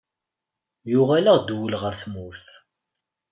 Yuɣal-aɣ-d wul ɣer tmurt.